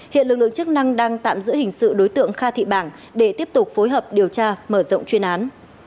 hiện lực lượng chức năng đang tạm giữ hình sự đối tượng kha thị bảng để tiếp tục phối hợp điều tra mở rộng chuyên án